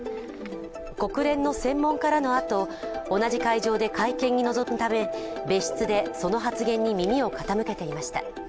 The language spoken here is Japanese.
国連の専門家らのあと同じ会場で会見に臨むため別室でその発言に耳を傾けていました。